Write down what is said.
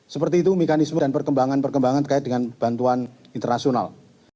seperti itu mekanisme dan perkembangan perkembangan terkait dengan bantuan internasional